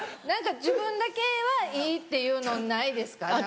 何か自分だけはいいっていうのないですか？